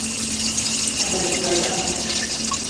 «Ә хәҙер ҡайҙа?»